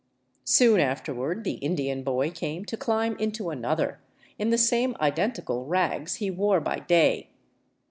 Soon afterward the Indian boy came to climb into another, in the same identical rags he wore by day.